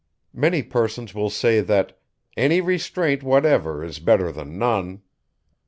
Many persons will say, that _any restraint whatever is better than none.